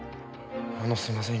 あのすいません